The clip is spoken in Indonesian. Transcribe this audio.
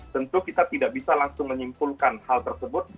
tentu kita tidak bisa langsung menyimpulkan hal tersebut